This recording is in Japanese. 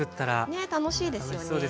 ねえ楽しいですよね。